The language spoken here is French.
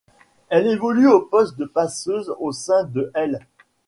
Elle évolue au poste de passeuse au sein de l'.